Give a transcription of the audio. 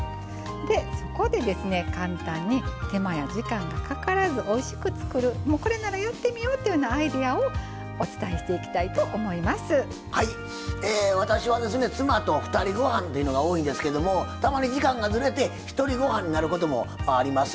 そこで簡単に手間や時間がかからずおいしく作るこれならやってみようっていうようなアイデアを私は妻とふたりごはんというのが多いんですけどもたまに時間がズレてひとりごはんになることもあります。